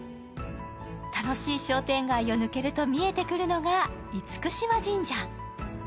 楽しい商店街を抜けると、見えてくるのが厳島神社。